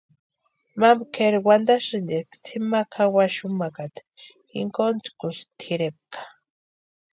Mama kʼeri wantasïnti eska tsʼïma kʼawasï xumakata jinkontkusï tʼirempka.